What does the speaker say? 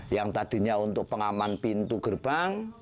yang tadinya untuk pengaman pintu gerbang